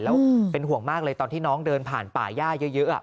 แล้วเป็นห่วงมากเลยตอนที่น้องเดินผ่านป่าย่าเยอะ